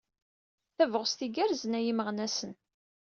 Tabɣest igerrezen ay imeɣnasen!